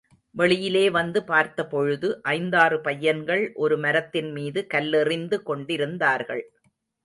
வெளியிலே வந்து பார்த்தபொழுது, ஐந்தாறு பையன்கள் ஒரு மரத்தின் மீது கல்லெறிந்து கொண்டிருந்தார்கள்.